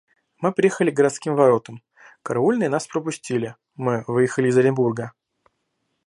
Мы приехали к городским воротам; караульные нас пропустили; мы выехали из Оренбурга.